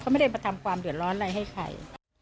ไม่ได้มาทำความเดือดร้อนอะไรให้ใคร